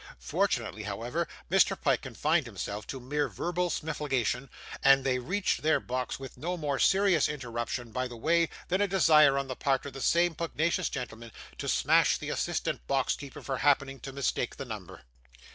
Fortunately, however, Mr. Pyke confined himself to mere verbal smifligation, and they reached their box with no more serious interruption by the way, than a desire on the part of the same pugnacious gentleman to 'smash' the assistant box keeper for happening to mistake the number.